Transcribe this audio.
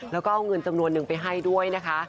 แล้วก็เอาเงินจำนวนหนึ่งไปให้ด้วยนะคะ